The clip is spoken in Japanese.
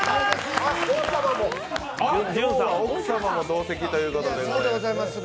あっ、奥様も同席ということで。